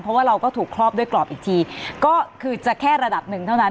เพราะว่าเราก็ถูกครอบด้วยกรอบอีกทีก็คือจะแค่ระดับหนึ่งเท่านั้น